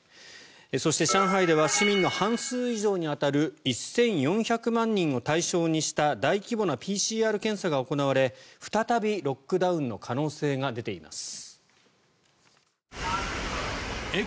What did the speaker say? そして、上海では市民の半数以上に当たる１４００万人を対象にした大規模なＰＣＲ検査が行われ再びロックダウンの可能性が出ています。